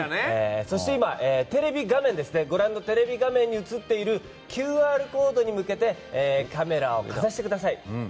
そして今、ご覧のテレビ画面に映っているＱＲコードに向けてカメラをかざしてください。